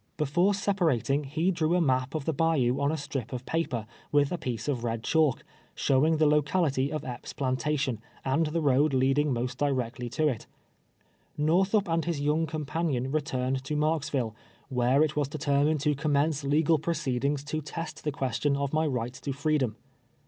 Before sep arating, he drew a map of the bayou on a strip of paper witli a piece of I'ed chalk, showing the locality of Epps' plantation, and the road leading most directly to it. Korthup and his young companion returned to Marksville, where it was determined to commence LEGAL PEOCEEDENGS. 299 legal proceedings to test the question of my rig lit to freedom.